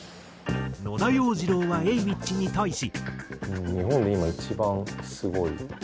野田洋次郎はＡｗｉｃｈに対し。